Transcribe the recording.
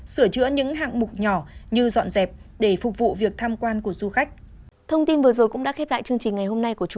sửa chữa những hạng mục nhỏ như dọn dẹp để phục vụ việc tham quan của du khách